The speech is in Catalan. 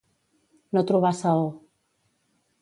No trobar saó.